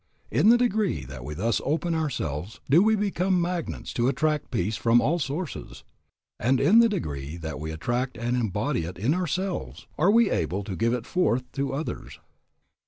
In the degree that we thus open ourselves do we become magnets to attract peace from all sources; and in the degree that we attract and embody it in ourselves are we able to give it forth to others.